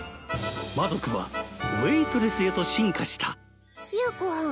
魔族はウエートレスへと進化した優子はん